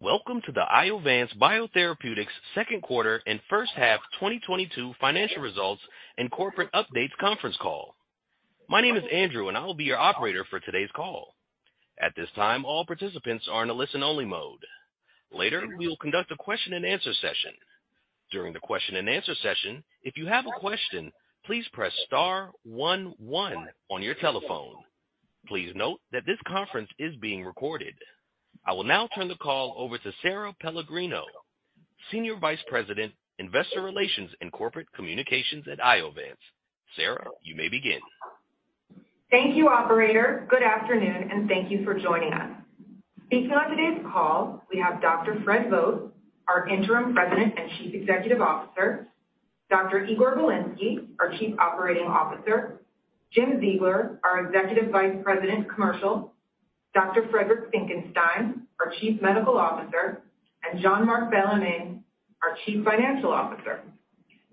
Welcome to the Iovance Biotherapeutics Second Quarter and First Half 2022 Financial Results and Corporate Updates Conference Call. My name is Andrew, and I will be your operator for today's call. At this time, all participants are in a listen-only mode. Later, we will conduct a question and answer session. During the question and answer session, if you have a question, please press star one one on your telephone. Please note that this conference is being recorded. I will now turn the call over to Sara Pellegrino, Senior Vice President, Investor Relations and Corporate Communications at Iovance. Sara, you may begin. Thank you, operator. Good afternoon, and thank you for joining us. Speaking on today's call, we have Dr. Fred Vogt, our Interim President and Chief Executive Officer, Dr. Igor Bilinsky, our Chief Operating Officer, Jim Ziegler, our Executive Vice President, Commercial, Dr. Friedrich Graf Finckenstein, our Chief Medical Officer, and Jean-Marc Bellemin, our Chief Financial Officer.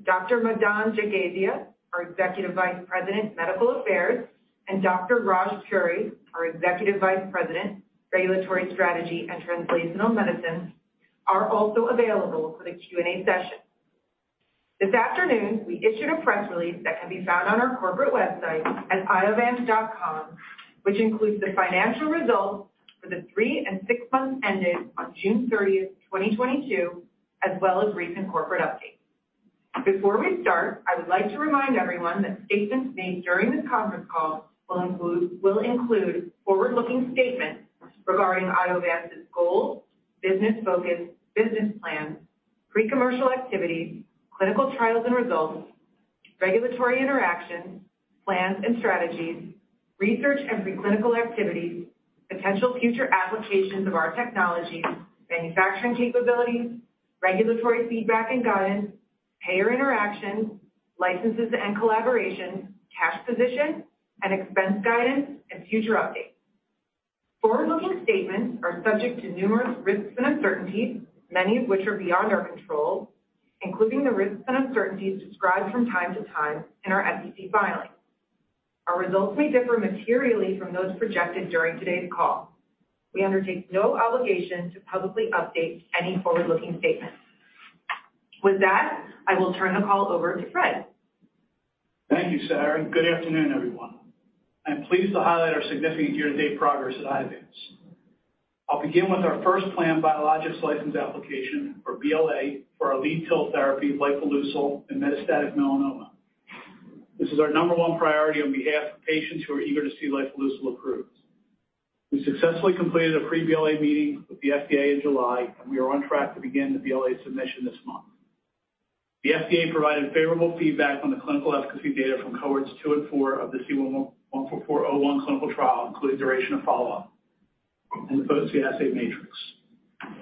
Dr. Madan Jagasia, our Executive Vice President, Medical Affairs, and Dr. Raj Puri, our Executive Vice President, Regulatory Strategy and Translational Medicine, are also available for the Q&A session. This afternoon, we issued a press release that can be found on our corporate website at iovance.com, which includes the financial results for the three and six months ended on June 30th, 2022, as well as recent corporate updates. Before we start, I would like to remind everyone that statements made during this conference call will include forward-looking statements regarding Iovance's goals, business focus, business plans, pre-commercial activities, clinical trials and results, regulatory interactions, plans and strategies, research and preclinical activities, potential future applications of our technologies, manufacturing capabilities, regulatory feedback and guidance, payer interactions, licenses and collaborations, cash position and expense guidance and future updates. Forward-looking statements are subject to numerous risks and uncertainties, many of which are beyond our control, including the risks and uncertainties described from time to time in our SEC filings. Our results may differ materially from those projected during today's call. We undertake no obligation to publicly update any forward-looking statements. With that, I will turn the call over to Fred. Thank you, Sarah. Good afternoon, everyone. I'm pleased to highlight our significant year-to-date progress at Iovance. I'll begin with our first planned Biologics License Application or BLA for our lead TIL therapy, lifileucel in metastatic melanoma. This is our number one priority on behalf of patients who are eager to see lifileucel approved. We successfully completed a pre-BLA meeting with the FDA in July, and we are on track to begin the BLA submission this month. The FDA provided favorable feedback on the clinical efficacy data from cohorts two and four of the C-144-01 clinical trial, including duration of follow-up and the potency assay matrix.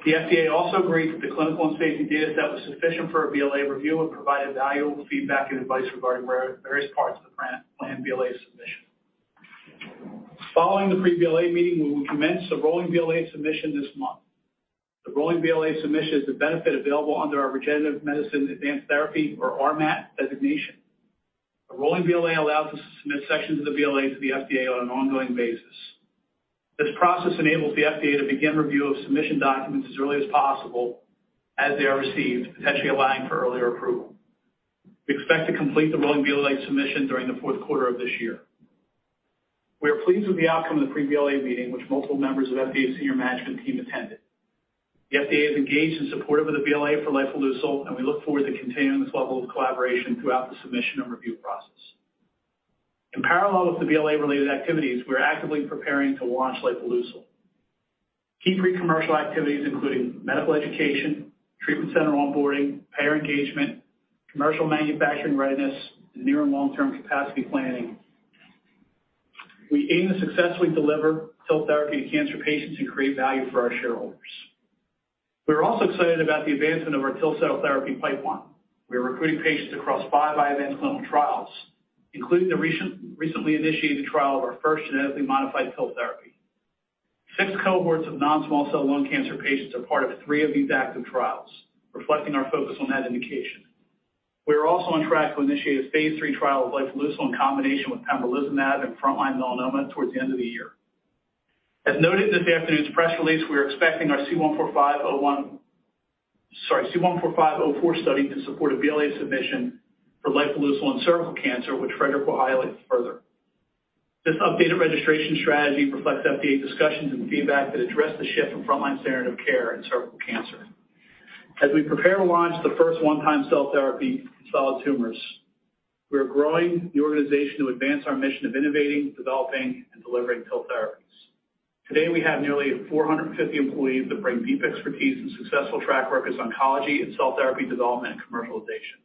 The FDA also agreed that the clinical and safety data set was sufficient for a BLA review and provided valuable feedback and advice regarding various parts of the planned BLA submission. Following the pre-BLA meeting, we will commence a rolling BLA submission this month. The rolling BLA submission is the benefit available under our Regenerative Medicine Advanced Therapy or RMAT designation. A rolling BLA allows us to submit sections of the BLA to the FDA on an ongoing basis. This process enables the FDA to begin review of submission documents as early as possible as they are received, potentially allowing for earlier approval. We expect to complete the rolling BLA submission during the fourth quarter of this year. We are pleased with the outcome of the pre-BLA meeting, which multiple members of FDA senior management team attended. The FDA is engaged and supportive of the BLA for lifileucel, and we look forward to continuing this level of collaboration throughout the submission and review process. In parallel with the BLA-related activities, we're actively preparing to launch lifileucel. Key pre-commercial activities including medical education, treatment center onboarding, payer engagement, commercial manufacturing readiness, and near and long-term capacity planning. We aim to successfully deliver TIL therapy to cancer patients and create value for our shareholders. We are also excited about the advancement of our TIL cell therapy pipeline. We are recruiting patients across five Iovance clinical trials, including the recent, recently initiated trial of our first genetically modified TIL therapy. Six cohorts of non-small cell lung cancer patients are part of three of these active trials, reflecting our focus on that indication. We are also on track to initiate a phase III trial of lifileucel in combination with pembrolizumab in front line melanoma towards the end of the year. As noted in this afternoon's press release, we are expecting our C-145-01. Sorry, C-145-04 study to support a BLA submission for lifileucel in cervical cancer, which Friedrich will highlight further. This updated registration strategy reflects FDA discussions and feedback that address the shift in front-line standard of care in cervical cancer. As we prepare to launch the first one-time cell therapy in solid tumors, we are growing the organization to advance our mission of innovating, developing, and delivering TIL therapies. Today, we have nearly 450 employees that bring deep expertise and successful track records in oncology and cell therapy development and commercialization.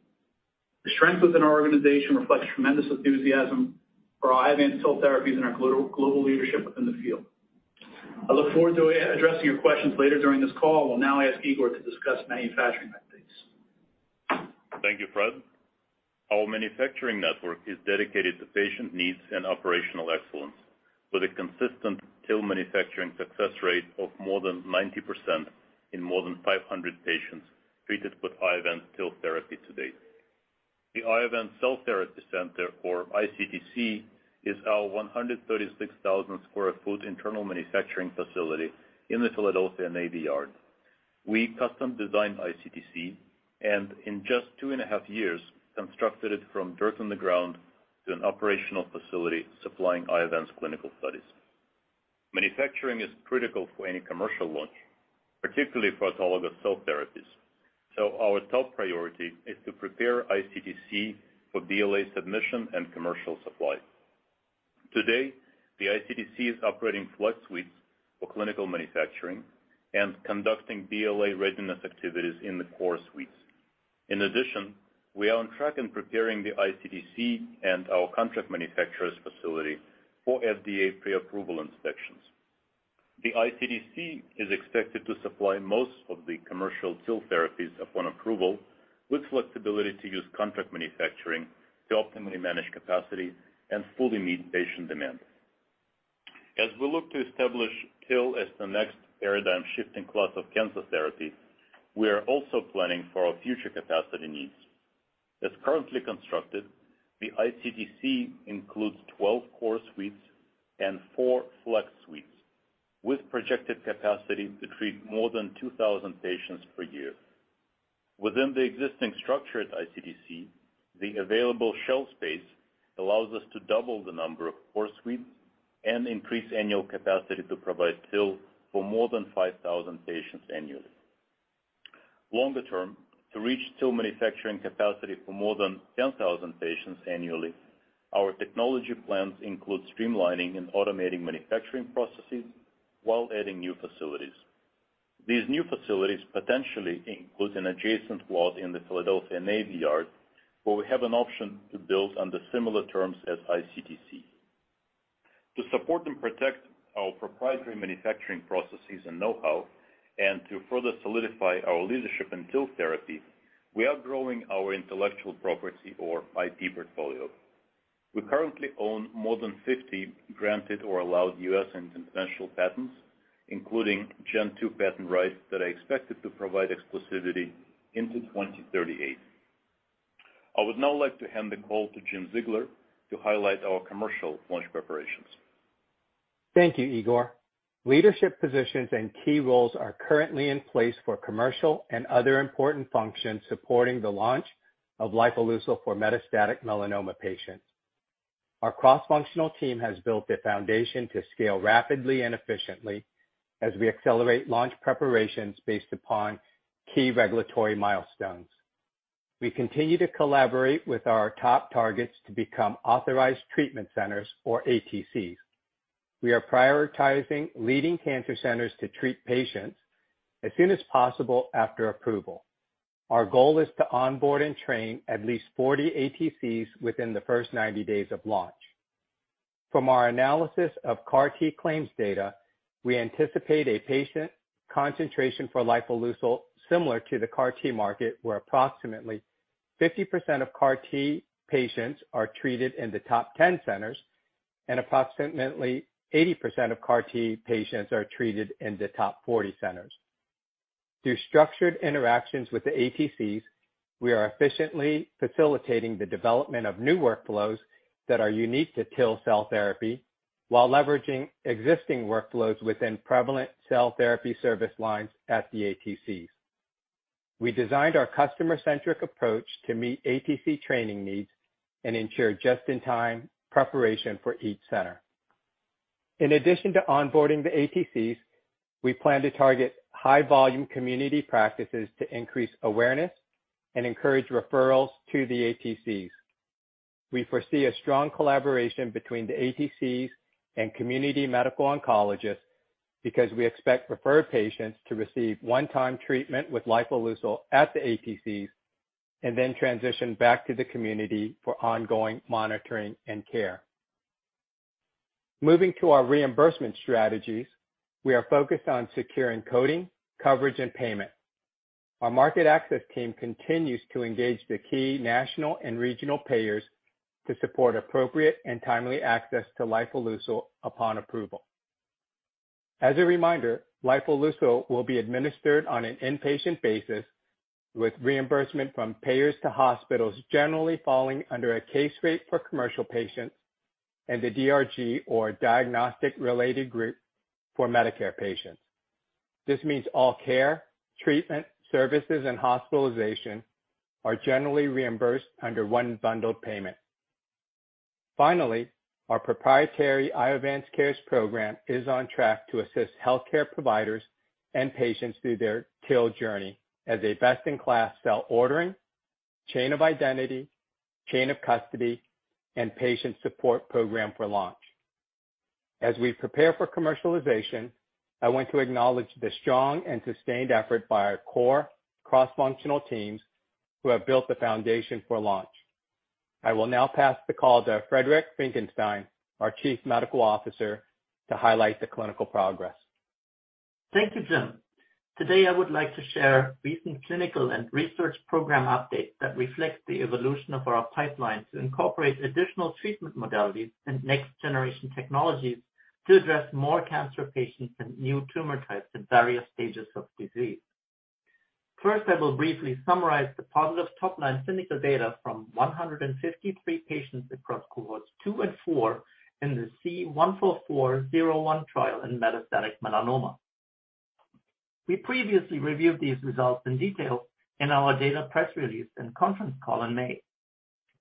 The strength within our organization reflects tremendous enthusiasm for Iovance TIL therapies and our global leadership within the field. I look forward to addressing your questions later during this call. I will now ask Igor to discuss manufacturing updates. Thank you, Fred. Our manufacturing network is dedicated to patient needs and operational excellence with a consistent TIL manufacturing success rate of more than 90% in more than 500 patients treated with Iovance TIL therapy to date. The Iovance Cell Therapy Center or iCTC is our 136,000 sq ft internal manufacturing facility in the Philadelphia Navy Yard. We custom designed iCTC and in just 2.5 years, constructed it from dirt on the ground to an operational facility supplying Iovance clinical studies. Manufacturing is critical for any commercial launch, particularly for autologous cell therapies. Our top priority is to prepare iCTC for BLA submission and commercial supply. Today, the iCTC is operating flex suites for clinical manufacturing and conducting BLA readiness activities in the core suites. In addition, we are on track in preparing the iCTC and our contract manufacturer's facility for FDA pre-approval inspections. The iCTC is expected to supply most of the commercial cell therapies upon approval, with flexibility to use contract manufacturing to optimally manage capacity and fully meet patient demand. As we look to establish TIL as the next paradigm-shifting class of cancer therapy, we are also planning for our future capacity needs. As currently constructed, the iCTC includes 12 core suites and four flex suites with projected capacity to treat more than 2,000 patients per year. Within the existing structure at iCTC, the available shell space allows us to double the number of core suites and increase annual capacity to provide TIL for more than 5,000 patients annually. Longer term, to reach TIL manufacturing capacity for more than 10,000 patients annually, our technology plans include streamlining and automating manufacturing processes while adding new facilities. These new facilities potentially include an adjacent lot in the Philadelphia Navy Yard, where we have an option to build under similar terms as iCTC. To support and protect our proprietary manufacturing processes and know-how and to further solidify our leadership in TIL therapy, we are growing our intellectual property or IP portfolio. We currently own more than 50 granted or allowed U.S. and international patents, including Gen 2 patent rights that are expected to provide exclusivity into 2038. I would now like to hand the call to Jim Ziegler to highlight our commercial launch preparations. Thank you, Igor. Leadership positions and key roles are currently in place for commercial and other important functions supporting the launch of lifileucel for metastatic melanoma patients. Our cross-functional team has built the foundation to scale rapidly and efficiently as we accelerate launch preparations based upon key regulatory milestones. We continue to collaborate with our top targets to become authorized treatment centers or ATCs. We are prioritizing leading cancer centers to treat patients as soon as possible after approval. Our goal is to onboard and train at least 40 ATCs within the first 90 days of launch. From our analysis of CAR T claims data, we anticipate a patient concentration for lifileucel similar to the CAR T market, where approximately 50% of CAR T patients are treated in the top 10 centers, and approximately 80% of CAR T patients are treated in the top 40 centers. Through structured interactions with the ATCs, we are efficiently facilitating the development of new workflows that are unique to TIL cell therapy while leveraging existing workflows within prevalent cell therapy service lines at the ATCs. We designed our customer-centric approach to meet ATC training needs and ensure just-in-time preparation for each center. In addition to onboarding the ATCs, we plan to target high volume community practices to increase awareness and encourage referrals to the ATCs. We foresee a strong collaboration between the ATCs and community medical oncologists because we expect referred patients to receive one-time treatment with lifileucel at the ATCs and then transition back to the community for ongoing monitoring and care. Moving to our reimbursement strategies, we are focused on securing coding, coverage, and payment. Our market access team continues to engage the key national and regional payers to support appropriate and timely access to lifileucel upon approval. As a reminder, lifileucel will be administered on an inpatient basis with reimbursement from payers to hospitals generally falling under a case rate for commercial patients and the DRG or diagnostic-related group for Medicare patients. This means all care, treatment, services, and hospitalization are generally reimbursed under one bundled payment. Our proprietary IovanceCares program is on track to assist healthcare providers and patients through their TIL journey as a best-in-class cell ordering, chain of identity, chain of custody, and patient support program for launch. We prepare for commercialization. I want to acknowledge the strong and sustained effort by our core cross-functional teams who have built the foundation for launch. I will now pass the call to Friedrich Finckenstein, our Chief Medical Officer, to highlight the clinical progress. Thank you, Jim. Today, I would like to share recent clinical and research program updates that reflect the evolution of our pipeline to incorporate additional treatment modalities and next-generation technologies. To address more cancer patients and new tumor types in various stages of disease. First, I will briefly summarize the positive top-line clinical data from 153 patients across cohorts two and four in the C-144-01 trial in metastatic melanoma. We previously reviewed these results in detail in our data press release and conference call in May.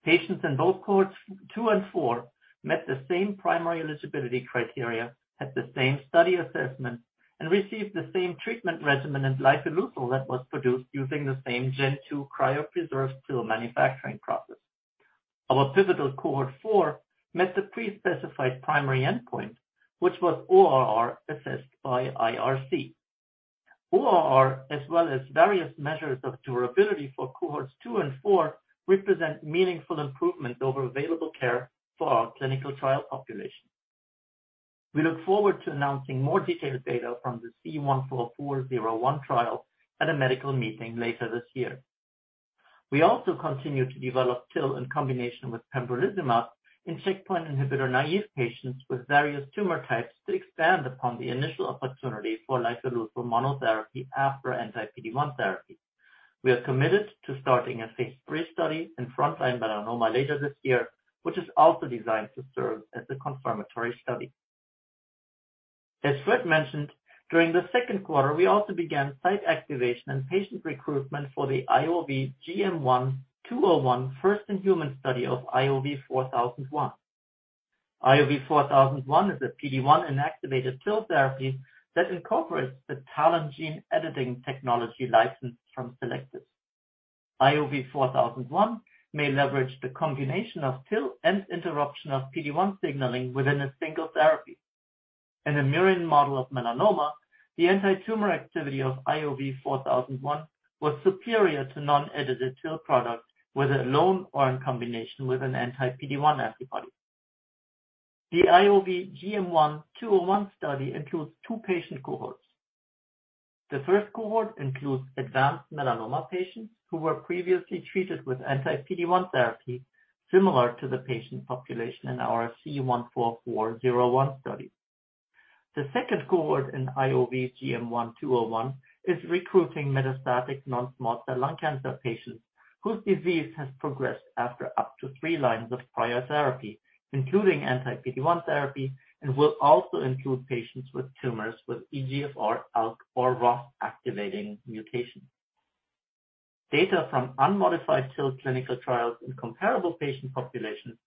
Patients in both cohorts two and four met the same primary eligibility criteria, had the same study assessment, and received the same treatment regimen in lifileucel that was produced using the same Gen 2 cryopreserved TIL manufacturing process. Our pivotal cohort four met the pre-specified primary endpoint, which was ORR assessed by IRC. ORR, as well as various measures of durability for cohorts two and four, represent meaningful improvement over available care for our clinical trial population. We look forward to announcing more detailed data from the C-144-01 trial at a medical meeting later this year. We also continue to develop TIL in combination with pembrolizumab in checkpoint inhibitor naïve patients with various tumor types to expand upon the initial opportunity for lifileucel monotherapy after anti-PD-1 therapy. We are committed to starting a phase III study in frontline melanoma later this year, which is also designed to serve as a confirmatory study. As Fred mentioned, during the second quarter, we also began site activation and patient recruitment for the IOV-GM1-201 first-in-human study of IOV-4001. IOV-4001 is a PD-1 inactivated TIL therapy that incorporates the TALEN gene editing technology licensed from Cellectis. IOV-4001 may leverage the combination of TIL and interruption of PD-1 signaling within a single therapy. In a murine model of melanoma, the antitumor activity of IOV-4001 was superior to non-edited TIL products, whether alone or in combination with an anti-PD-1 antibody. The IOV-GM1-201 study includes two patient cohorts. The first cohort includes advanced melanoma patients who were previously treated with anti-PD-1 therapy, similar to the patient population in our C-144-01 study. The second cohort in IOV-GM1-201 is recruiting metastatic non-small cell lung cancer patients whose disease has progressed after up to three lines of prior therapy, including anti-PD-1 therapy, and will also include patients with tumors with EGFR, ALK, or ROS activating mutations. Data from unmodified TIL clinical trials in comparable patient populations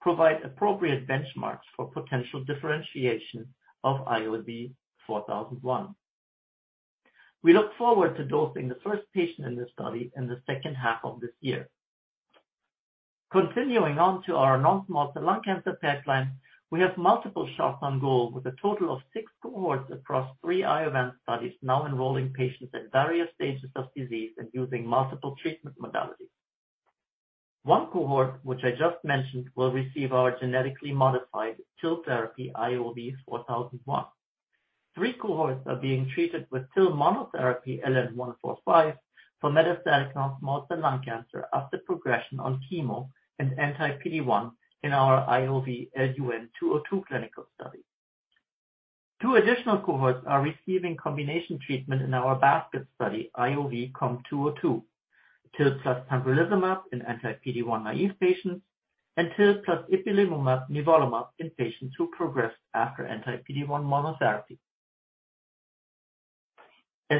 provide appropriate benchmarks for potential differentiation of IOV-4001. We look forward to dosing the first patient in this study in the second half of this year. Continuing on to our non-small cell lung cancer pipeline, we have multiple shots on goal with a total of six cohorts across three Iovance studies now enrolling patients at various stages of disease and using multiple treatment modalities. One cohort, which I just mentioned, will receive our genetically modified TIL therapy, IOV-4001. Three cohorts are being treated with TIL monotherapy LN-145 for metastatic non-small cell lung cancer after progression on chemo and anti-PD-1 in our IOV-LUN-202 clinical study. Two additional cohorts are receiving combination treatment in our basket study, IOV-COM-202. TIL plus pembrolizumab in anti-PD-1 naïve patients and TIL plus ipilimumab, nivolumab in patients who progressed after anti-PD-1 monotherapy.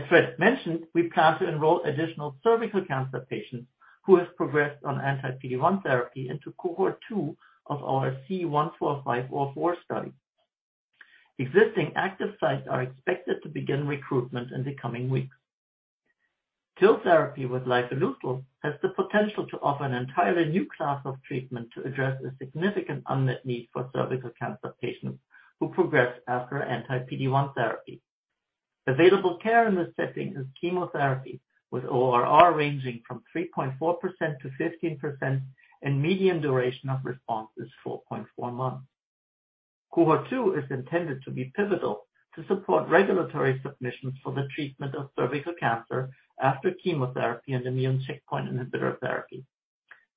Fred mentioned, we plan to enroll additional cervical cancer patients who have progressed on anti-PD-1 therapy into cohort two of our C-145-04 study. Existing active sites are expected to begin recruitment in the coming weeks. TIL therapy with lifileucel has the potential to offer an entirely new class of treatment to address a significant unmet need for cervical cancer patients who progress after anti-PD-1 therapy. Available care in this setting is chemotherapy, with ORR ranging from 3.4%-15% and median duration of response is 4.4 months. Cohort two is intended to be pivotal to support regulatory submissions for the treatment of cervical cancer after chemotherapy and immune checkpoint inhibitor therapy.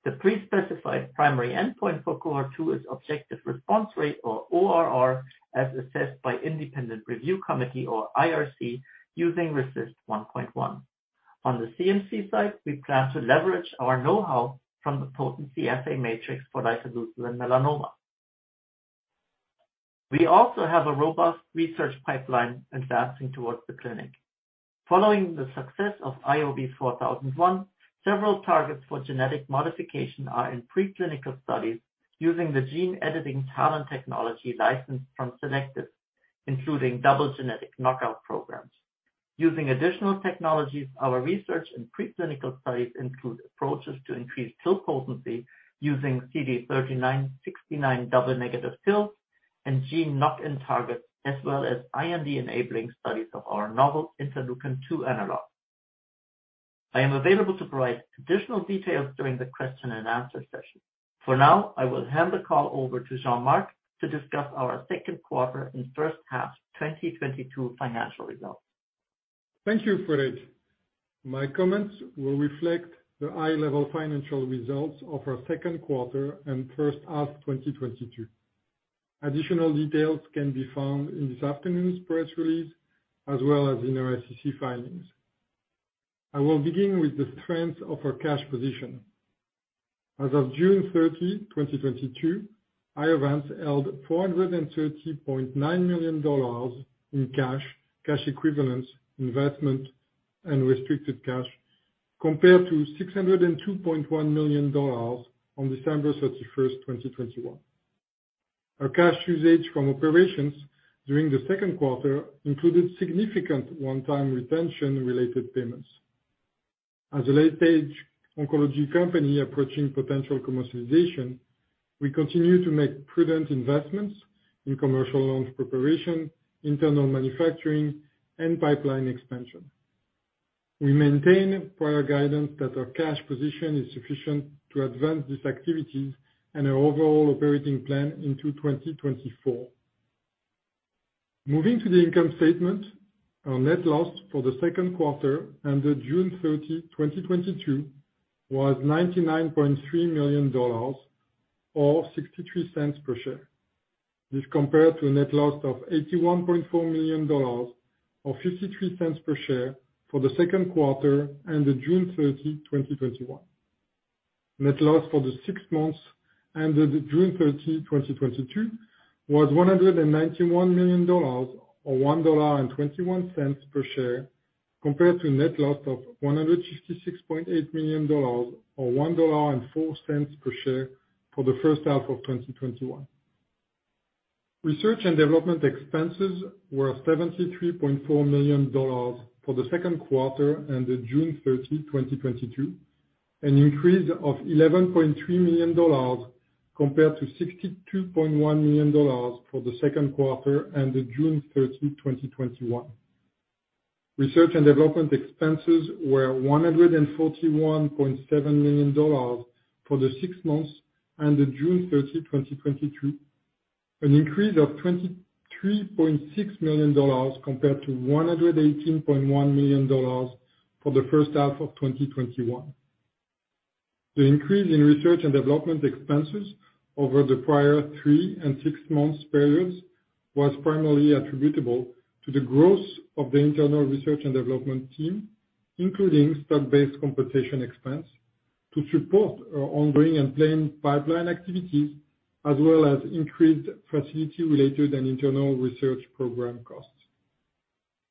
The pre-specified primary endpoint for cohort two is Objective Response Rate, or ORR, as assessed by Independent Review Committee, or IRC, using RECIST 1.1. On the CMC side, we plan to leverage our know-how from the potency assay matrix for lifileucel in melanoma. We also have a robust research pipeline advancing towards the clinic. Following the success of IOV-4001, several targets for genetic modification are in preclinical studies using the gene editing TALEN technology licensed from Cellectis, including double genetic knockout programs. Using additional technologies, our research and preclinical studies include approaches to increase TIL potency using CD39/CD69 double negative TILs and gene knock-in targets, as well as IND-enabling studies of our novel interleukin-2 analog. I am available to provide additional details during the question and answer session. For now, I will hand the call over to Jean-Marc to discuss our second quarter and first half 2022 financial results. Thank you, Friedrich. My comments will reflect the high-level financial results of our second quarter and first half 2022. Additional details can be found in this afternoon's press release, as well as in our SEC filings. I will begin with the strength of our cash position. As of June 30, 2022, Iovance held $430.9 million in cash, cash equivalents, investment, and restricted cash compared to $602.1 million on December 31st, 2021. Our cash usage from operations during the second quarter included significant one-time retention-related payments. As a late-stage oncology company approaching potential commercialization, we continue to make prudent investments in commercial launch preparation, internal manufacturing, and pipeline expansion. We maintain prior guidance that our cash position is sufficient to advance these activities and our overall operating plan into 2024. Moving to the income statement. Our net loss for the second quarter ended June 30, 2022 was $99.3 million, or $0.63 per share. This compared to a net loss of $81.4 million or $0.53 per share for the second quarter ended June 30, 2021. Net loss for the six months ended June 30, 2022 was $191 million or $1.21 per share, compared to a net loss of $166.8 million or $1.04 per share for the first half of 2021. Research and development expenses were $73.4 million for the second quarter ended June 30, 2022, an increase of $11.3 million compared to $62.1 million for the second quarter ended June 30, 2021. Research and development expenses were $141.7 million for the six months ended June 30, 2022, an increase of $23.6 million compared to $118.1 million for the first half of 2021. The increase in research and development expenses over the prior three and six months periods was primarily attributable to the growth of the internal research and development team, including stock-based compensation expense to support our ongoing and planned pipeline activities, as well as increased facility related and internal research program costs.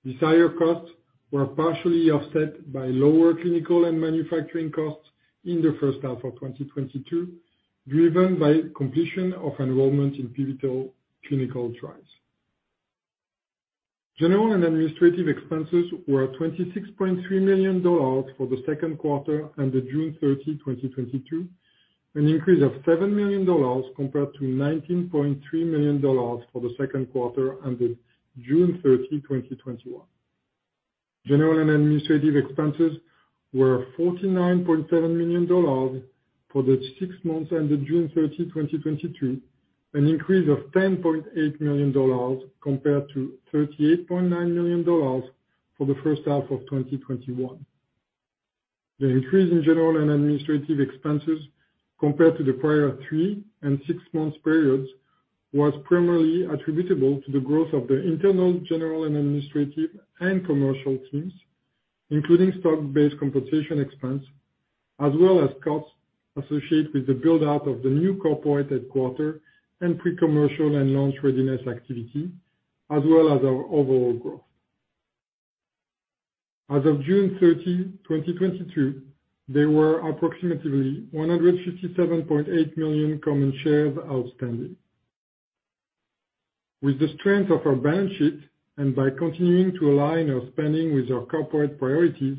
These higher costs were partially offset by lower clinical and manufacturing costs in the first half of 2022, driven by completion of enrollment in pivotal clinical trials. General and administrative expenses were $26.3 million for the second quarter ended June 30, 2022, an increase of $7 million compared to $19.3 million for the second quarter ended June 30, 2021. General and administrative expenses were $49.7 million for the six months ended June 30, 2022, an increase of $10.8 million compared to $38.9 million for the first half of 2021. The increase in general and administrative expenses compared to the prior three and six months periods was primarily attributable to the growth of the internal general and administrative and commercial teams, including stock-based compensation expense, as well as costs associated with the build out of the new corporate headquarters and pre-commercial and launch readiness activity, as well as our overall growth. As of June 30, 2022, there were approximately 157.8 million common shares outstanding. With the strength of our balance sheet and by continuing to align our spending with our corporate priorities,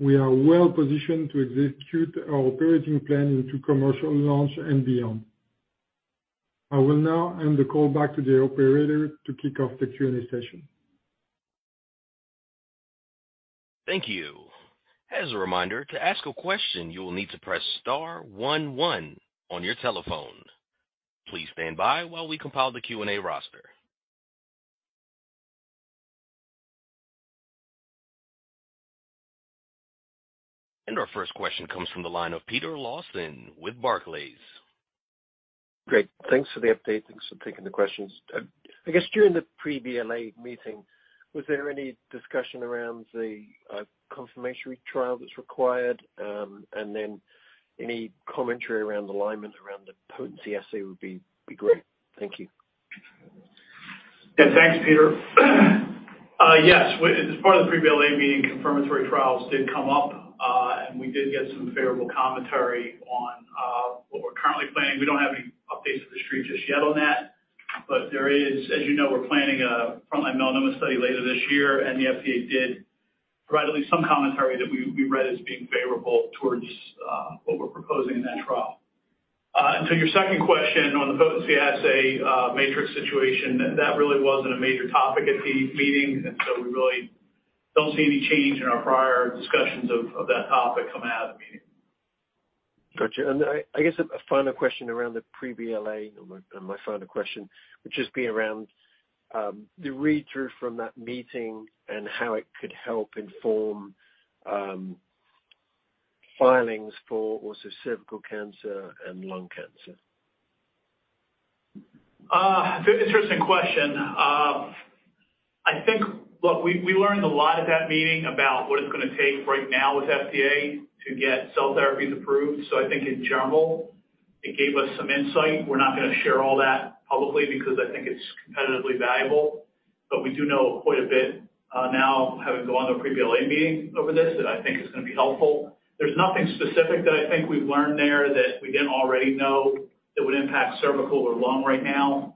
we are well positioned to execute our operating plan into commercial launch and beyond. I will now hand the call back to the operator to kick off the Q&A session. Thank you. As a reminder, to ask a question, you will need to press star one one on your telephone. Please stand by while we compile the Q&A roster. Our first question comes from the line of Peter Lawson with Barclays. Great. Thanks for the update. Thanks for taking the questions. I guess during the pre-BLA meeting, was there any discussion around the confirmation trial that's required? And then any commentary around the alignment around the potency assay would be great. Thank you. Yeah, thanks, Peter. Yes, as part of the pre-BLA meeting, confirmatory trials did come up, and we did get some favorable commentary on what we're currently planning. We don't have any updates to the street just yet on that. There is, as you know, we're planning a frontline melanoma study later this year, and the FDA did provide at least some commentary that we read as being favorable towards what we're proposing in that trial. To your second question on the potency assay, matrix situation, that really wasn't a major topic at the meeting, and so we really don't see any change in our prior discussions of that topic coming out of the meeting. Gotcha. I guess a final question around the pre-BLA, or my final question, would just be around the read-through from that meeting and how it could help inform filings for also cervical cancer and lung cancer. Good, interesting question. I think. Look, we learned a lot at that meeting about what it's gonna take right now with FDA to get cell therapies approved. I think in general, it gave us some insight. We're not gonna share all that publicly because I think it's competitively valuable, but we do know quite a bit now having gone to a pre-BLA meeting over this that I think is gonna be helpful. There's nothing specific that I think we've learned there that we didn't already know that would impact cervical or lung right now.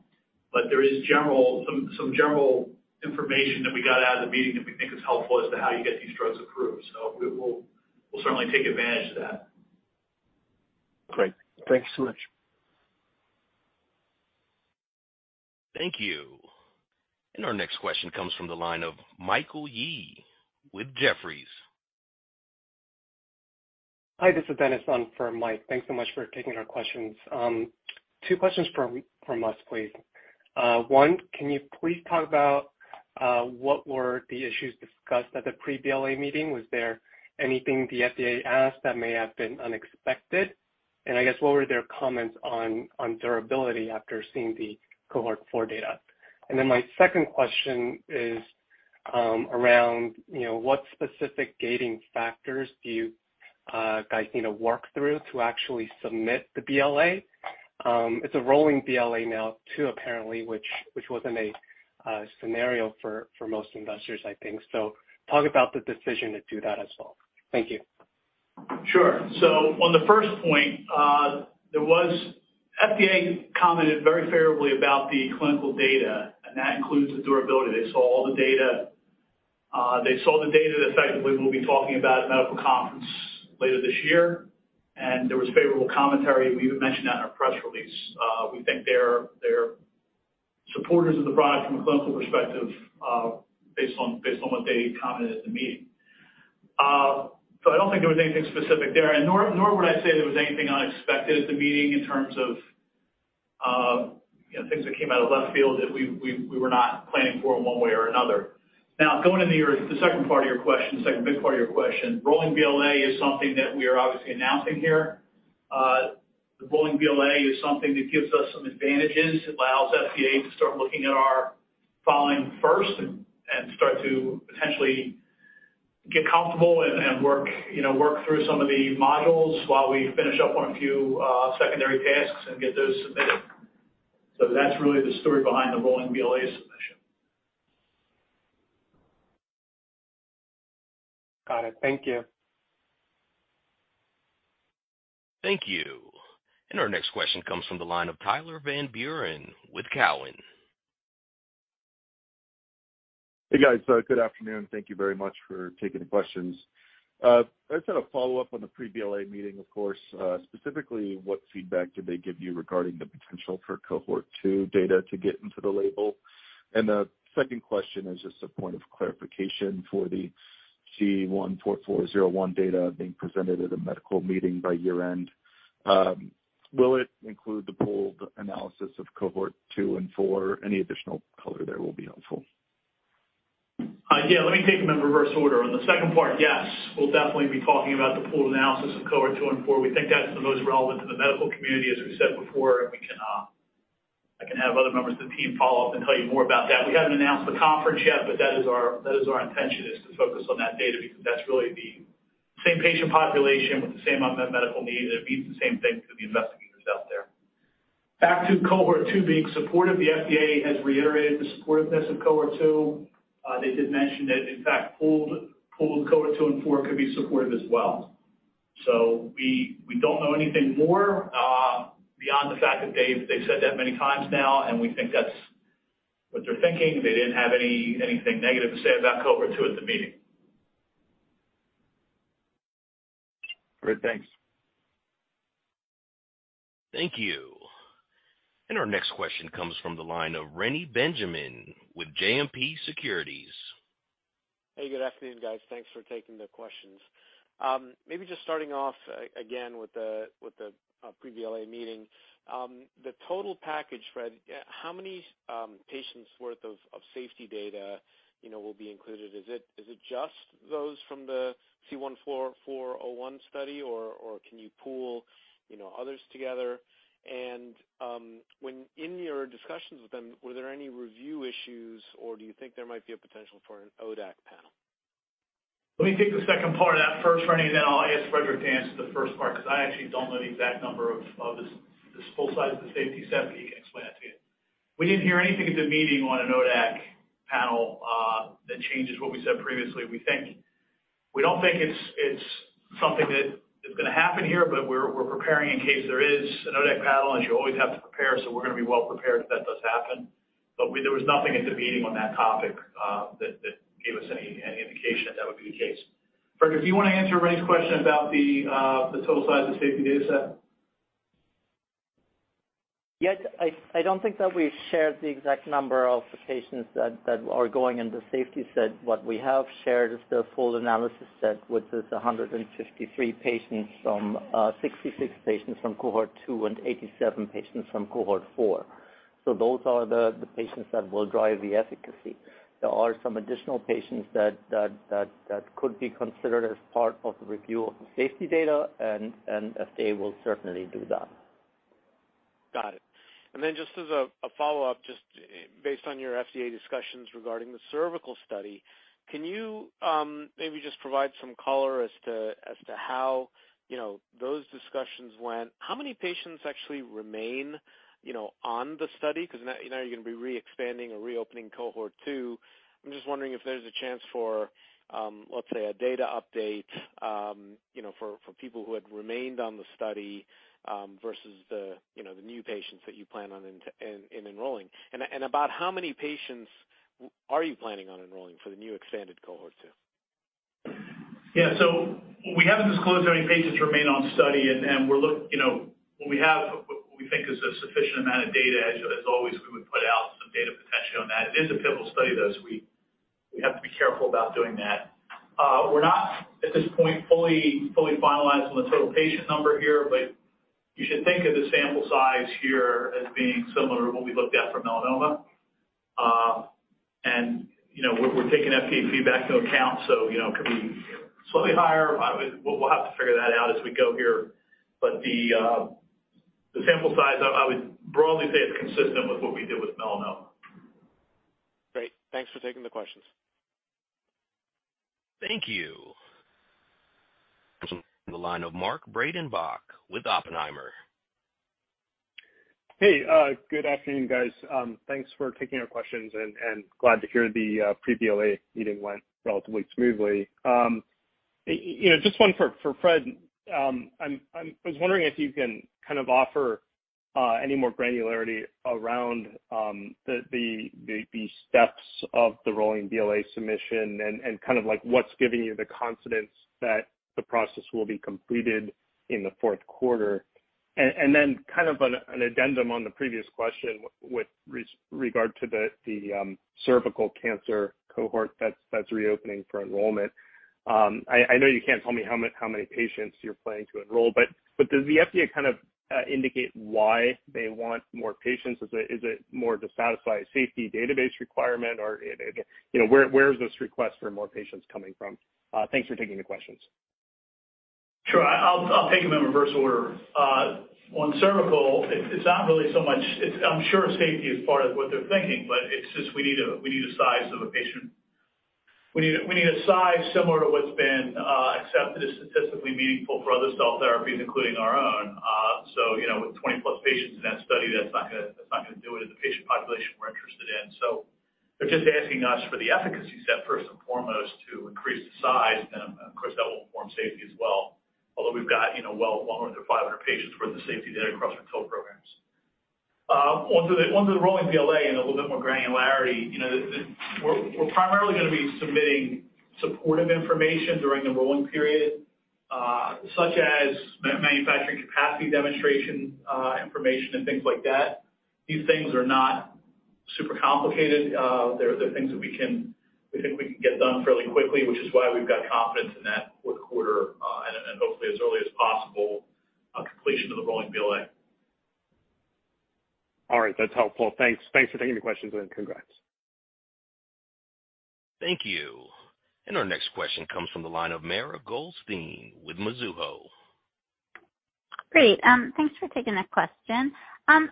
There is some general information that we got out of the meeting that we think is helpful as to how you get these drugs approved. We'll certainly take advantage of that. Great. Thanks so much. Thank you. Our next question comes from the line of Michael Yee with Jefferies. Hi, this is Dennis on for Mike. Thanks so much for taking our questions. Two questions from us please. One, can you please talk about what were the issues discussed at the pre-BLA meeting? Was there anything the FDA asked that may have been unexpected? I guess, what were their comments on durability after seeing the cohort four data? Then my second question is, around, you know, what specific gating factors do you, guys need to work through to actually submit the BLA? It's a rolling BLA now too apparently, which wasn't a scenario for most investors I think. Talk about the decision to do that as well. Thank you. Sure. On the first point, FDA commented very favorably about the clinical data, and that includes the durability. They saw all the data. They saw the data that effectively we'll be talking about at medical conference later this year, and there was favorable commentary. We even mentioned that in our press release. We think they're supporters of the product from a clinical perspective, based on what they commented at the meeting. I don't think there was anything specific there and nor would I say there was anything unexpected at the meeting in terms of things that came out of left field that we were not planning for in one way or another. Now, going into the second big part of your question, rolling BLA is something that we are obviously announcing here. The rolling BLA is something that gives us some advantages. It allows FDA to start looking at our filing first and start to potentially get comfortable and work, you know, through some of the modules while we finish up on a few secondary tasks and get those submitted. That's really the story behind the rolling BLA submission. Got it. Thank you. Thank you. Our next question comes from the line of Tyler Van Buren with Cowen. Hey, guys. Good afternoon. Thank you very much for taking the questions. I just had a follow-up on the pre-BLA meeting, of course. Specifically, what feedback did they give you regarding the potential for cohort two data to get into the label? The second question is just a point of clarification for the C-144-01 data being presented at a medical meeting by year-end. Will it include the pooled analysis of cohort two and four? Any additional color there will be helpful. Yeah, let me take them in reverse order. On the second part, yes, we'll definitely be talking about the pooled analysis of cohort two and four. We think that's the most relevant to the medical community, as we said before. I can have other members of the team follow up and tell you more about that. We haven't announced the conference yet, but that is our intention, is to focus on that data because that's really the same patient population with the same unmet medical need, and it means the same thing to the investigators out there. Back to cohort two being supportive, the FDA has reiterated the supportiveness of cohort two. They did mention that, in fact, pooled cohort two and four could be supportive as well. We don't know anything more beyond the fact that they've said that many times now and we think that's what they're thinking. They didn't have anything negative to say about cohort two at the meeting. Great. Thanks. Thank you. Our next question comes from the line of Reni Benjamin with JMP Securities. Hey, good afternoon, guys. Thanks for taking the questions. Maybe just starting off again with the pre-BLA meeting. The total package, Fred, how many patients worth of safety data, you know, will be included? Is it just those from the C-144-01 study or can you pool, you know, others together? When in your discussions with them, were there any review issues or do you think there might be a potential for an ODAC panel? Let me take the second part of that first, Reni, then I'll ask Friedrich to answer the first part, because I actually don't know the exact number of the full size of the safety set, but he can explain that to you. We didn't hear anything at the meeting on an ODAC panel that changes what we said previously. We don't think it's something that is gonna happen here, but we're preparing in case there is an ODAC panel, and you always have to prepare, so we're gonna be well prepared if that does happen. There was nothing at the meeting on that topic that gave us any indication that that would be the case. Friedrich, do you wanna answer Reni's question about the total size of the safety data set? Yeah, I don't think that we've shared the exact number of patients that are going in the safety set. What we have shared is the full analysis set, which is 153 patients from 66 patients from cohort two and 87 patients from cohort four. Those are the patients that will drive the efficacy. There are some additional patients that could be considered as part of the review of the safety data and FDA will certainly do that. Got it. Just as a follow-up, just based on your FDA discussions regarding the cervical study, can you maybe just provide some color as to how you know those discussions went? How many patients actually remain you know on the study? 'Cause now you know you're gonna be re-expanding or reopening cohort two. I'm just wondering if there's a chance for let's say a data update you know for people who had remained on the study versus the you know the new patients that you plan on in enrolling. About how many patients are you planning on enrolling for the new expanded cohort two? Yeah. We haven't disclosed how many patients remain on study. You know, what we have, what we think is a sufficient amount of data. As always, we would put out some data potentially on that. It is a pivotal study, thus we have to be careful about doing that. We're not, at this point, fully finalized on the total patient number here, but you should think of the sample size here as being similar to what we looked at for melanoma. You know, we're taking FDA's feedback into account, so, you know, it could be slightly higher. We'll have to figure that out as we go here. The sample size, I would broadly say it's consistent with what we did with melanoma. Great. Thanks for taking the questions. Thank you. From the line of Mark Breidenbach with Oppenheimer. Hey, good afternoon, guys. Thanks for taking our questions and glad to hear the pre-BLA meeting went relatively smoothly. You know, just one for Fred. I was wondering if you can kind of offer any more granularity around the steps of the rolling BLA submission and kind of like what's giving you the confidence that the process will be completed in the fourth quarter. Then kind of an addendum on the previous question with regard to the cervical cancer cohort that's reopening for enrollment. I know you can't tell me how many patients you're planning to enroll, but does the FDA kind of indicate why they want more patients? Is it more to satisfy a safety database requirement or, you know, where is this request for more patients coming from? Thanks for taking the questions. Sure. I'll take them in reverse order. On cervical, it's not really so much. It's I'm sure safety is part of what they're thinking, but it's just we need a patient size. We need a patient size similar to what's been accepted as statistically meaningful for other cell therapies, including our own. You know, with 20+ patients in that study, that's not gonna do it in the patient population we're interested in. They're just asking us for the efficacy set, first and foremost, to increase the size. Of course, that will inform safety as well, although we've got you know, well more than 500 patients worth of safety data across our total programs. Onto the rolling BLA and a little bit more granularity. You know, we're primarily gonna be submitting supportive information during the rolling period, such as manufacturing capacity demonstration, information and things like that. These things are not super complicated. They're things that we think we can get done fairly quickly, which is why we've got confidence in that fourth quarter, and then hopefully as early as possible, completion of the rolling BLA. All right. That's helpful. Thanks. Thanks for taking the questions and congrats. Thank you. Our next question comes from the line of Mara Goldstein with Mizuho. Great. Thanks for taking the question. I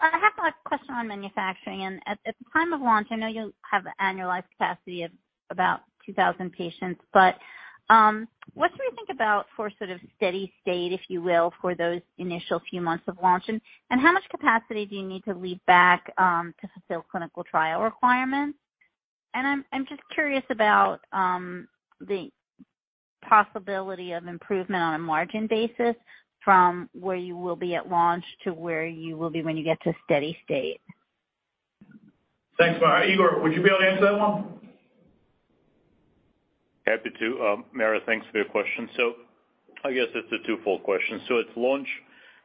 have a question on manufacturing. At the time of launch, I know you'll have annualized capacity of about 2,000 patients. But what should we think about for sort of steady state, if you will, for those initial few months of launch? How much capacity do you need to leave back to fulfill clinical trial requirements? I'm just curious about the possibility of improvement on a margin basis from where you will be at launch to where you will be when you get to steady state. Thanks, Mara. Igor, would you be able to answer that one? Happy to. Mara, thanks for your question. I guess it's a twofold question. At launch,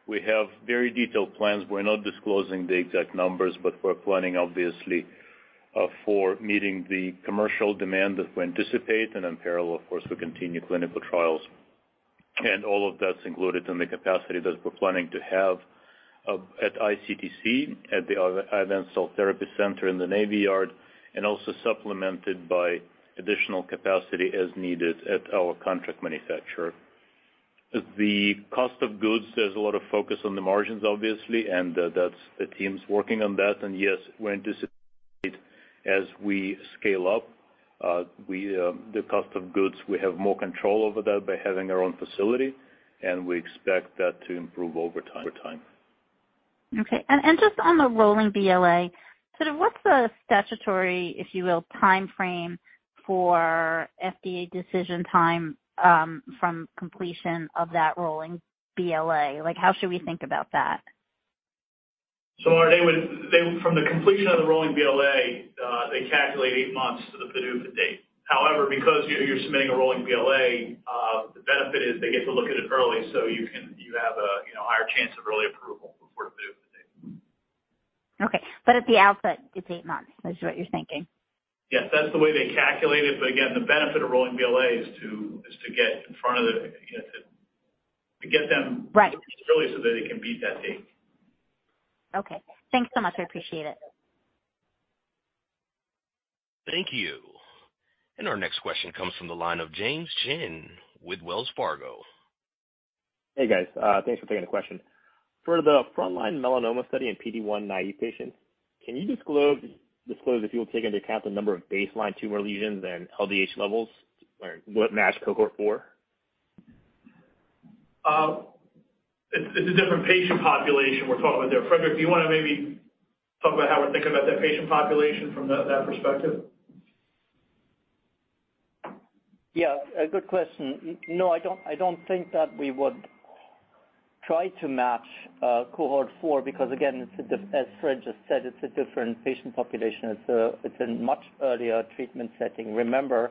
we have very detailed plans. We're not disclosing the exact numbers, but we're planning obviously for meeting the commercial demand that we anticipate. In parallel, of course, we continue clinical trials. All of that's included in the capacity that we're planning to have at iCTC, at the Iovance Cell Therapy Center in the Navy Yard, and also supplemented by additional capacity as needed at our contract manufacturer. The cost of goods, there's a lot of focus on the margins, obviously, and that's the team's working on that. Yes, we anticipate as we scale up, the cost of goods, we have more control over that by having our own facility, and we expect that to improve over time. Okay. Just on the rolling BLA, sort of what's the statutory, if you will, timeframe for FDA decision time, from completion of that rolling BLA? Like, how should we think about that? From the completion of the rolling BLA, they calculate eight months to the PDUFA date. However, because you're submitting a rolling BLA, the benefit is they get to look at it early, you have a, you know, higher chance of early approval. At the outset, it's eight months is what you're thinking? Yes, that's the way they calculate it. Again, the benefit of rolling BLA is to get in front of the, you know, to get them. Right. Early so that they can beat that date. Okay. Thanks so much. I appreciate it. Thank you. Our next question comes from the line of James Shin with Wells Fargo. Hey, guys. Thanks for taking the question. For the frontline melanoma study in PD-1 naïve patients, can you disclose if you will take into account the number of baseline tumor lesions and LDH levels, like, what matched cohort four? It's a different patient population we're talking about there. Friedrich, do you wanna maybe talk about how we're thinking about that patient population from that perspective? Yeah, a good question. No, I don't think that we would try to match cohort four because again, as Fred just said, it's a different patient population. It's a much earlier treatment setting. Remember,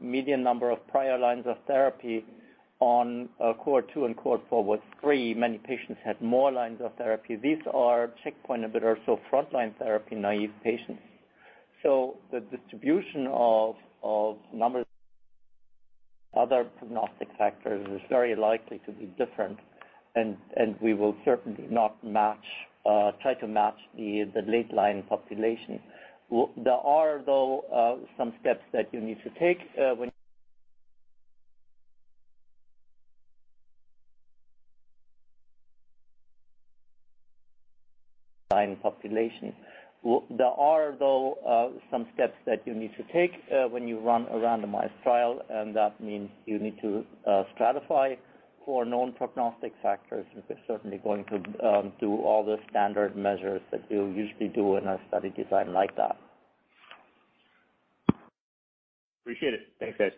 median number of prior lines of therapy on cohort two and cohort four was three. Many patients had more lines of therapy. These are checkpoint inhibitor-naïve patients, so frontline therapy-naïve patients. So the distribution of numbers, other prognostic factors is very likely to be different and we will certainly not try to match the late line population. There are though some steps that you need to take when you run a randomized trial, and that means you need to stratify for known prognostic factors. We're certainly going to do all the standard measures that you'll usually do in a study design like that. Appreciate it. Thanks, guys.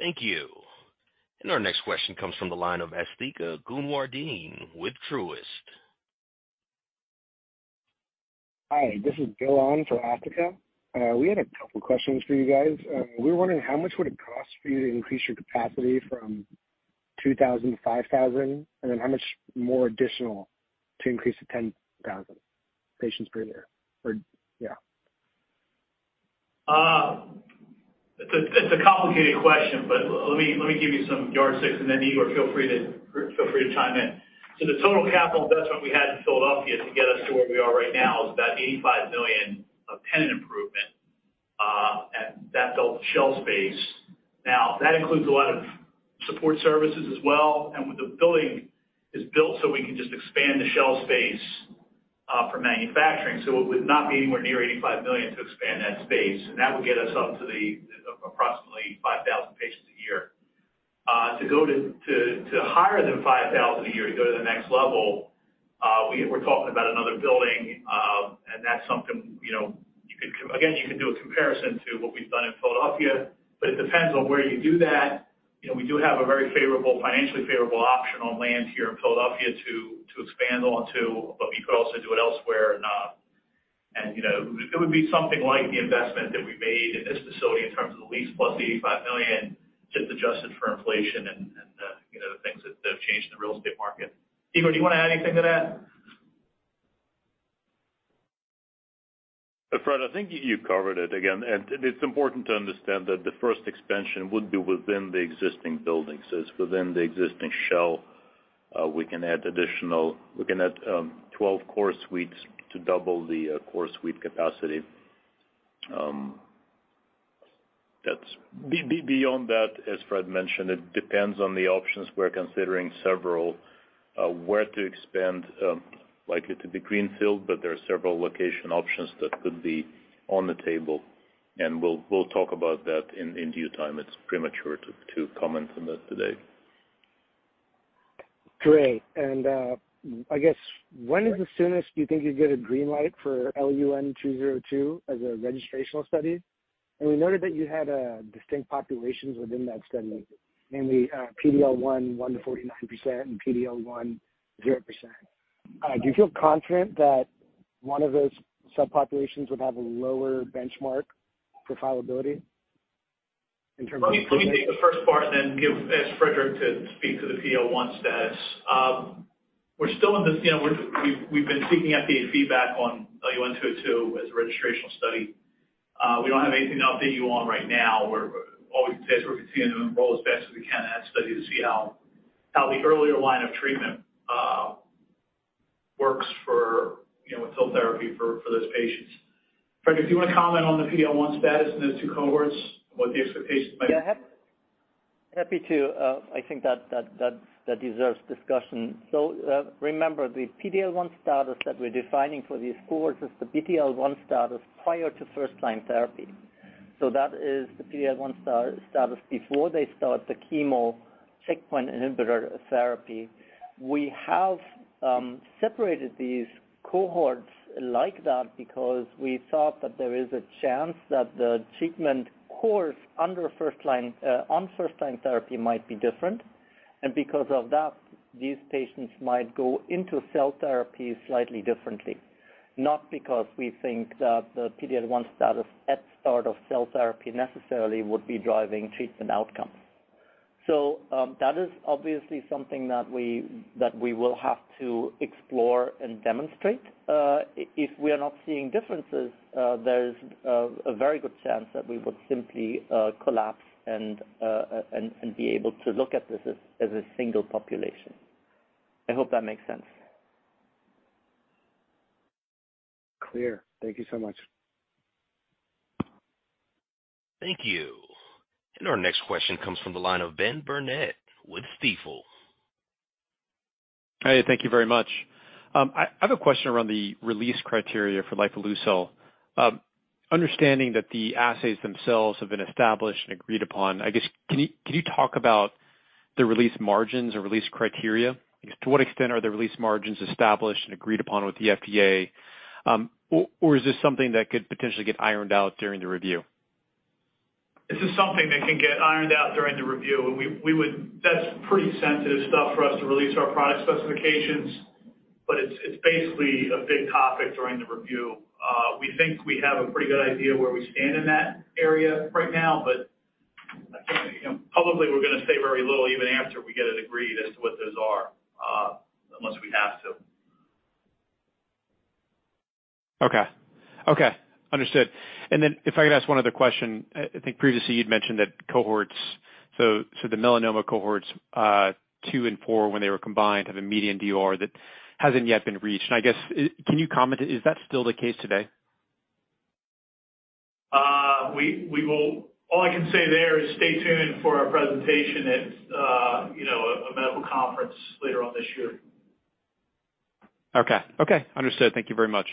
Thank you. Our next question comes from the line of Asthika Goonewardene with Truist. Hi, this is Bill on for Asthika. We had a couple questions for you guys. We were wondering how much would it cost for you to increase your capacity from 2,000 to 5,000? How much more additional to increase to 10,000 patients per year. It's a complicated question, but let me give you some yardsticks and then Igor feel free to chime in. The total capital investment we had in Philadelphia to get us to where we are right now is about $85 million of tenant improvement, and that built shell space. Now, that includes a lot of support services as well, and the building is built so we can just expand the shell space for manufacturing. It would not be anywhere near $85 million to expand that space, and that would get us up to approximately 5,000 patients a year. To go to higher than 5,000 a year, to go to the next level, we're talking about another building, and that's something, you know, you could again, you can do a comparison to what we've done in Philadelphia, but it depends on where you do that. You know, we do have a very favorable, financially favorable option on land here in Philadelphia to expand onto, but we could also do it elsewhere. You know, it would be something like the investment that we made in this facility in terms of the lease plus the $85 million, just adjusted for inflation and, you know, the things that have changed in the real estate market. Igor, do you wanna add anything to that? Fred, I think you covered it again. It's important to understand that the first expansion would be within the existing buildings. It's within the existing shell. We can add 12 core suites to double the core suite capacity. Beyond that, as Fred mentioned, it depends on the options. We're considering several where to expand. Likely to be Greenfield, but there are several location options that could be on the table, and we'll talk about that in due time. It's premature to comment on that today. Great. I guess when is the soonest you think you'd get a green light for LUN-202 as a registrational study? We noted that you had distinct populations within that study, mainly PD-L1 1%-49% and PD-L1 0%. Do you feel confident that one of those subpopulations would have a lower benchmark for filability in terms of? Let me take the first part and then ask Friedrich to speak to the PD-L1 status. We're still in this, you know. We've been seeking FDA feedback on LUN-202 as a registrational study. We don't have anything to update you on right now. All we can say is we're continuing to enroll as best as we can in that study to see how the earlier line of treatment works for, you know, with cell therapy for those patients. Friedrich, do you wanna comment on the PD-L1 status in those two cohorts and what the expectations might be? Yeah, happy to. I think that deserves discussion. Remember, the PD-L1 status that we're defining for these cohorts is the PD-L1 status prior to first-line therapy. That is the PD-L1 status before they start the chemo checkpoint inhibitor therapy. We have separated these cohorts like that because we thought that there is a chance that the treatment course under first-line, on first-line therapy might be different. Because of that, these patients might go into cell therapy slightly differently. Not because we think that the PD-L1 status at start of cell therapy necessarily would be driving treatment outcomes. That is obviously something that we will have to explore and demonstrate. If we are not seeing differences, there's a very good chance that we would simply collapse and be able to look at this as a single population. I hope that makes sense. Clear. Thank you so much. Thank you. Our next question comes from the line of Ben Burnett with Stifel. Hi, thank you very much. I have a question around the release criteria for lifileucel. Understanding that the assays themselves have been established and agreed upon, I guess, can you talk about the release margins or release criteria? To what extent are the release margins established and agreed upon with the FDA? Or is this something that could potentially get ironed out during the review? This is something that can get ironed out during the review. That's pretty sensitive stuff for us to release our product specifications, but it's basically a big topic during the review. We think we have a pretty good idea where we stand in that area right now, but I think, you know, publicly, we're gonna say very little even after we get it agreed as to what those are, unless we have to. Okay. Understood. If I could ask one other question. I think previously you'd mentioned that the melanoma cohorts, two and four, when they were combined, have a median DOR that hasn't yet been reached. I guess, can you comment? Is that still the case today? All I can say there is, stay tuned for our presentation at, you know, a medical conference later on this year. Okay. Understood. Thank you very much.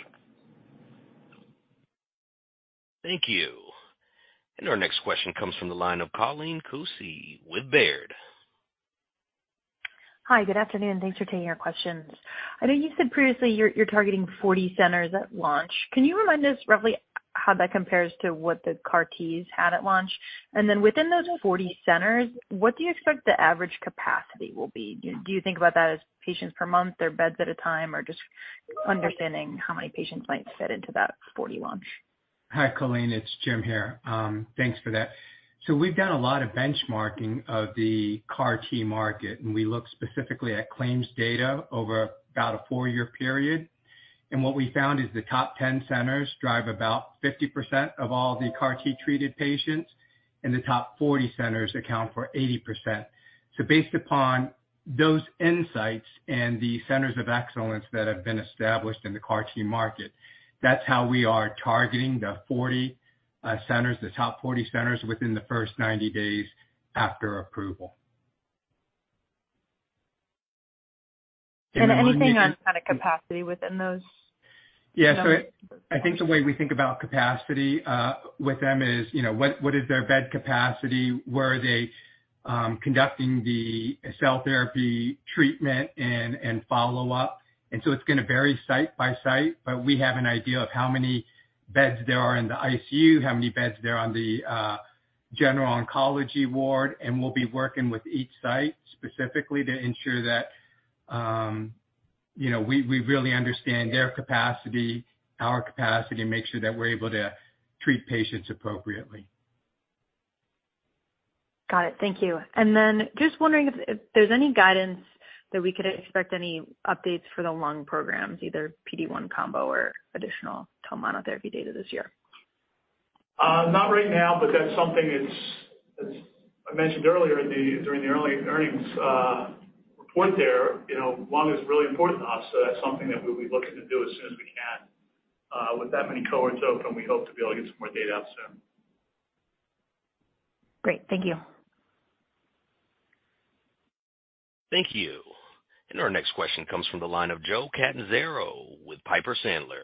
Thank you. Our next question comes from the line of Colleen Kusy with Baird. Hi, good afternoon. Thanks for taking our questions. I know you said previously you're targeting 40 centers at launch. Can you remind us roughly how that compares to what the CAR Ts had at launch? Within those 40 centers, what do you expect the average capacity will be? Do you think about that as patients per month or beds at a time, or just understanding how many patients might fit into that 40 launch? Hi, Colleen. It's Jim here. Thanks for that. We've done a lot of benchmarking of the CAR T market, and we look specifically at claims data over about a four-year period. What we found is the top 10 centers drive about 50% of all the CAR T treated patients, and the top 40 centers account for 80%. Based upon those insights and the centers of excellence that have been established in the CAR T market, that's how we are targeting the 40 centers, the top 40 centers within the first 90 days after approval. Anything on kind of capacity within those numbers? I think the way we think about capacity with them is, you know, what is their bed capacity? Where are they conducting the cell therapy treatment and follow-up? It's gonna vary site by site, but we have an idea of how many beds there are in the ICU, how many beds there are on the general oncology ward, and we'll be working with each site specifically to ensure that, you know, we really understand their capacity, our capacity, and make sure that we're able to treat patients appropriately. Got it. Thank you. Just wondering if there's any guidance that we could expect any updates for the lung programs, either PD-1 combo or additional to monotherapy data this year? Not right now, but that's something. It's as I mentioned earlier during the early earnings report there, you know, lung is really important to us, so that's something that we'll be looking to do as soon as we can. With that many cohorts open, we hope to be able to get some more data out soon. Great. Thank you. Thank you. Our next question comes from the line of Joe Catanzaro with Piper Sandler.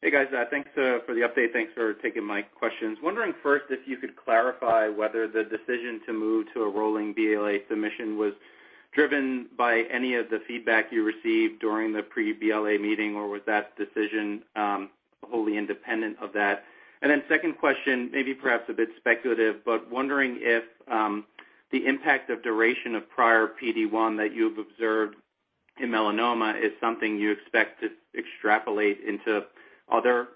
Hey, guys. Thanks for the update. Thanks for taking my questions. Wondering first if you could clarify whether the decision to move to a rolling BLA submission was driven by any of the feedback you received during the pre-BLA meeting, or was that decision wholly independent of that? Second question, maybe perhaps a bit speculative, but wondering if the impact of duration of prior PD-1 that you've observed in melanoma is something you expect to extrapolate into other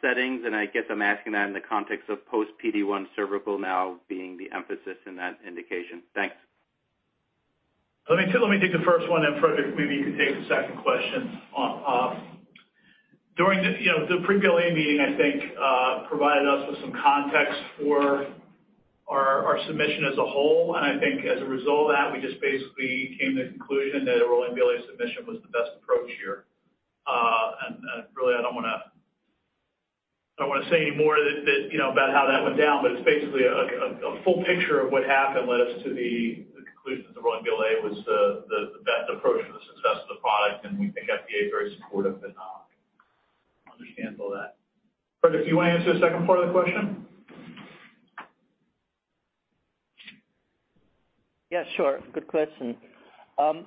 settings. I guess I'm asking that in the context of post-PD-1 cervical now being the emphasis in that indication. Thanks. Let me take the first one, and Friedrich, maybe you can take the second question. During the pre-BLA meeting, I think provided us with some context for our submission as a whole, and I think as a result of that, we just basically came to the conclusion that a rolling BLA submission was the best approach here. Really, I don't wanna say any more that you know about how that went down, but it's basically a full picture of what happened led us to the conclusion that the rolling BLA was the best approach for the success of the product, and we think FDA is very supportive and understandable of that. Friedrich, do you wanna answer the second part of the question? Yeah, sure. Good question. I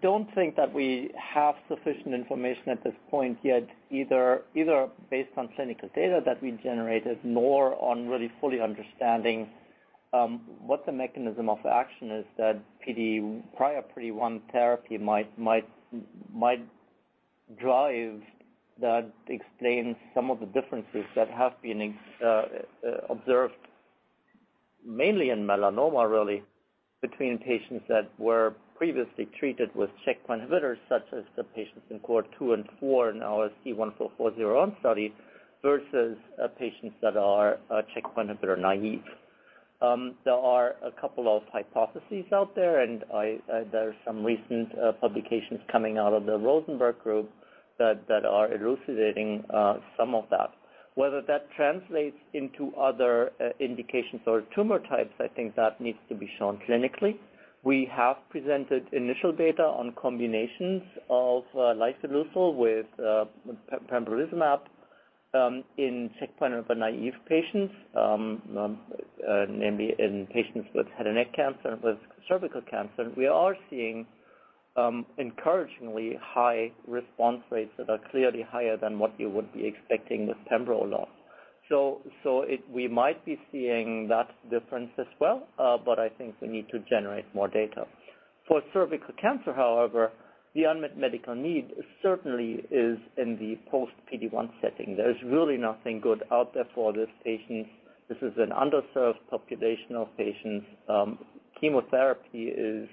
don't think that we have sufficient information at this point yet, either based on clinical data that we generated nor on really fully understanding. What the mechanism of action is that prior PD-1 therapy might drive that explains some of the differences that have been observed mainly in melanoma really, between patients that were previously treated with checkpoint inhibitors such as the patients in cohort two and four in our C-144-01 study, versus patients that are checkpoint inhibitor naïve. There are a couple of hypotheses out there, and there are some recent publications coming out of the Rosenberg group that are elucidating some of that. Whether that translates into other indications or tumor types, I think that needs to be shown clinically. We have presented initial data on combinations of lifileucel with pembrolizumab in checkpoint inhibitor naïve patients, namely in patients with head and neck cancer, with cervical cancer. We are seeing encouragingly high response rates that are clearly higher than what you would be expecting with pembrolizumab. We might be seeing that difference as well, but I think we need to generate more data. For cervical cancer, however, the unmet medical need certainly is in the post PD-1 setting. There's really nothing good out there for this patient. This is an underserved population of patients. Chemotherapy is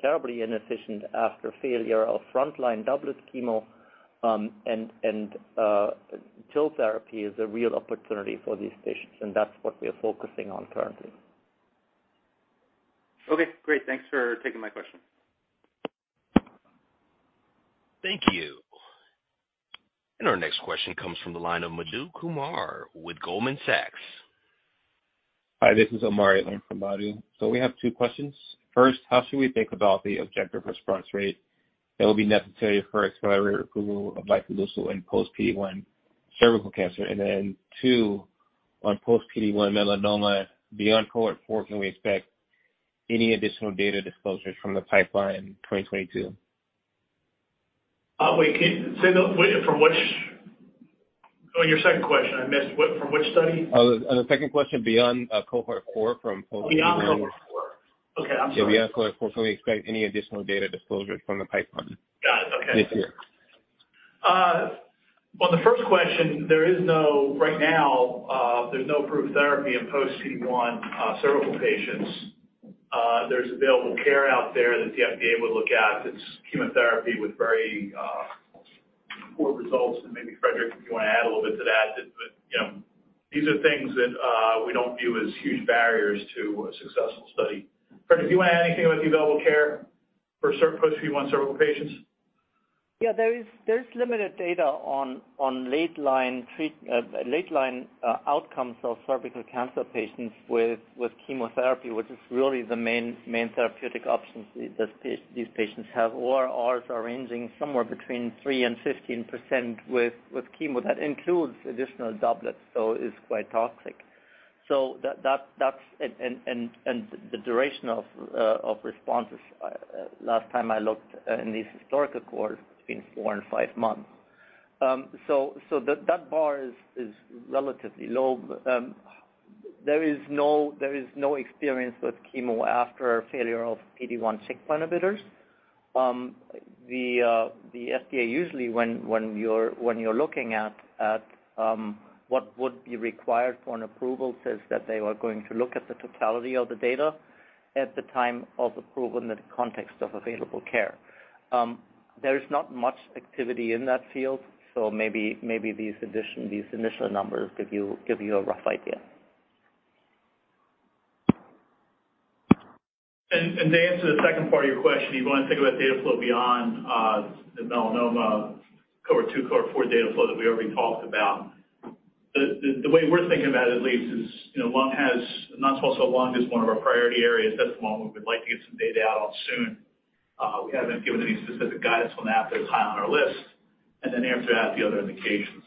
terribly inefficient after failure of frontline doublet chemo. TIL therapy is a real opportunity for these patients, and that's what we are focusing on currently. Okay, great. Thanks for taking my question. Thank you. Our next question comes from the line of Madhu Kumar with Goldman Sachs. Hi, this is Omari in for Madhu. We have two questions. First, how should we think about the Objective Response Rate that will be necessary for accelerated approval of lifileucel in post-PD-1 cervical cancer? Two, on post-PD-1 melanoma, beyond cohort four, can we expect any additional data disclosures from the pipeline in 2022? Your second question, I missed. What, from which study? The second question beyond cohort four from post. Beyond cohort four. Okay, I'm sorry. Yeah, beyond cohort four, can we expect any additional data disclosures from the pipeline? Got it. Okay. This year? On the first question, right now, there's no approved therapy in post-PD-1 cervical patients. There's available care out there that the FDA would look at that's chemotherapy with very poor results. Maybe Friedrich, if you wanna add a little bit to that. You know, these are things that we don't view as huge barriers to a successful study. Friedrich, do you wanna add anything about the available care for post-PD-1 cervical patients? Yeah. There is limited data on late line outcomes of cervical cancer patients with chemotherapy, which is really the main therapeutic options these patients have, ORRs ranging somewhere between 3%-15% with chemo. That includes additional doublets, so it's quite toxic. That's the duration of responses, last time I looked, in these historical cohorts, between four and five months. That bar is relatively low. There is no experience with chemo after failure of PD-1 checkpoint inhibitors. The FDA usually, when you're looking at what would be required for an approval, says that they are going to look at the totality of the data at the time of approval in the context of available care. There is not much activity in that field, so maybe these initial numbers give you a rough idea. To answer the second part of your question, you wanna think about data flow beyond the melanoma cohort two, cohort four data flow that we already talked about. The way we're thinking about it at least is, you know, non-small cell lung is one of our priority areas. That's the one we would like to get some data out on soon. We haven't been given any specific guidance on that, but it's high on our list. Then after that, the other indications.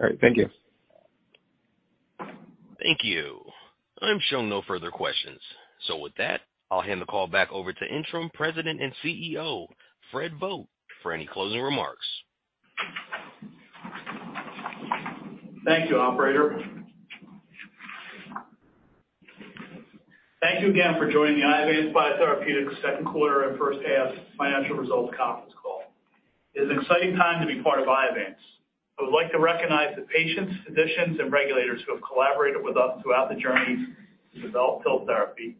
All right. Thank you. Thank you. I'm showing no further questions. With that, I'll hand the call back over to Interim President and CEO, Fred Vogt, for any closing remarks. Thank you, operator. Thank you again for joining the Iovance Biotherapeutics second quarter and first half financial results conference call. It's an exciting time to be part of Iovance. I would like to recognize the patients, physicians, and regulators who have collaborated with us throughout the journey to develop TIL therapy,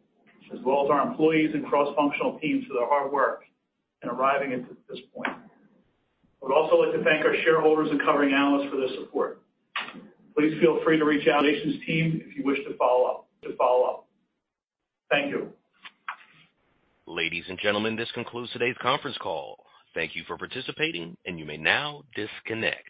as well as our employees and cross-functional teams for their hard work in arriving at this point. I would also like to thank our shareholders and covering analysts for their support. Please feel free to reach out to the relations team if you wish to follow up. Thank you. Ladies and gentlemen, this concludes today's conference call. Thank you for participating, and you may now disconnect.